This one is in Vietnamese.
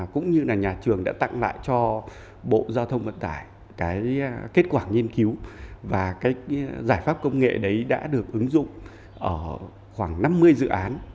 cũng như là nhà trường đã tặng lại cho bộ giao thông vận tải cái kết quả nghiên cứu và cái giải pháp công nghệ đấy đã được ứng dụng ở khoảng năm mươi dự án